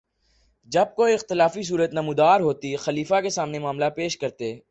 جب کوئی اختلافی صورت نمودار ہوتی، خلیفہ کے سامنے معاملہ پیش کرتے